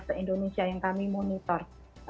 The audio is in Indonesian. se indonesia yang kami monitor